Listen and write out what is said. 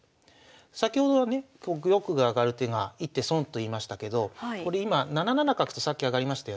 先ほどはね玉が上がる手が１手損と言いましたけどこれ今７七角とさっき上がりましたよね。